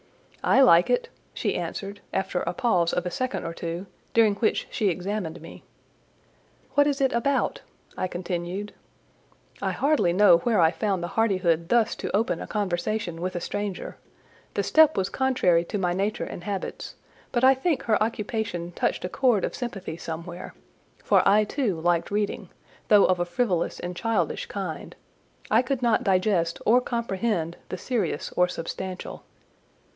"I like it," she answered, after a pause of a second or two, during which she examined me. "What is it about?" I continued. I hardly know where I found the hardihood thus to open a conversation with a stranger; the step was contrary to my nature and habits: but I think her occupation touched a chord of sympathy somewhere; for I too liked reading, though of a frivolous and childish kind; I could not digest or comprehend the serious or substantial.